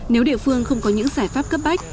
nếu địa phương không có những giải pháp cấp bách